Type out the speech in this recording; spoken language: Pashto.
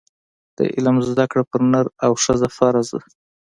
د علم زده کړه پر نر او ښځه فرض ده.